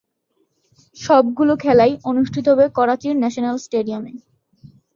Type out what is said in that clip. সবগুলো খেলাই অনুষ্ঠিত হবে করাচির ন্যাশনাল স্টেডিয়ামে।